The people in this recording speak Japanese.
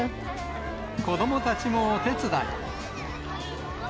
子どもたちもお手伝い。